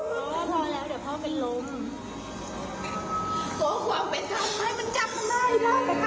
พ่อฆ่าตัวโดนคนแย่มันมาลงโจทย์ได้